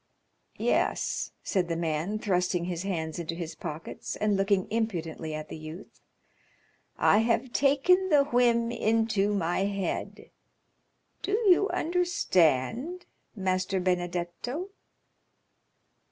"Yes," said the man, thrusting his hands into his pockets, and looking impudently at the youth; "I have taken the whim into my head; do you understand, Master Benedetto?"